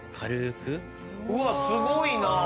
うわっすごいなあ。